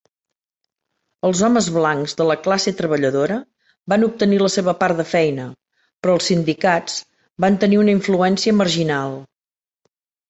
Els homes blancs de la classe treballadora van obtenir la seva part de feina, però els sindicats van tenir una influència marginal.